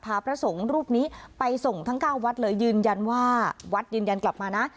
พระสงฆ์รูปนี้ไปส่งทั้ง๙วัดเลยยืนยันว่าวัดยืนยันกลับมานะ